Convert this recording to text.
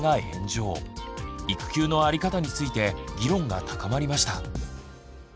育休のあり方について議論が高まりました。